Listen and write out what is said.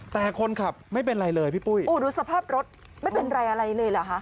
แต่คนขับไม่เป็นไรเลยพี่ปุ้ยโอ้ดูสภาพรถไม่เป็นไรอะไรเลยเหรอฮะ